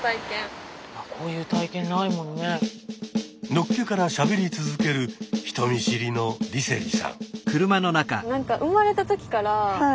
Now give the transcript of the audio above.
のっけからしゃべり続ける人見知りの梨星さん。